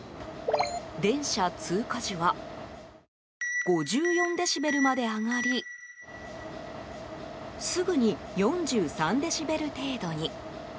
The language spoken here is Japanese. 電車通過時は５４デシベルまで上がりすぐに４３デシベル程度に。